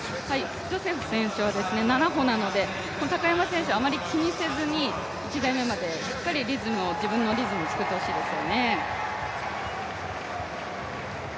ジョセフ選手は７歩なので高山選手はあまり気にせずにしっかり自分のリズムを作ってほしいですよね。